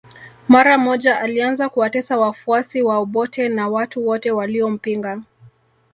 Mara moja alianza kuwatesa wafuasi wa Obote na watu wote waliompinga